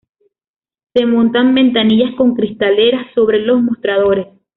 Se montan ventanillas con cristaleras sobre los mostradores.